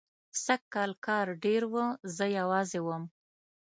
سږکال کار ډېر و، زه یوازې وم.